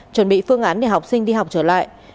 chuẩn bị phương án để học sinh đi học trở lại